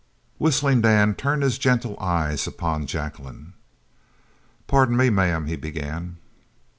Whistling Dan turned his gentle eyes upon Jacqueline. "Pardon me, ma'am," he began.